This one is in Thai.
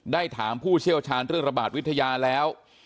ถามผู้เชี่ยวชาญเรื่องระบาดวิทยาแล้ว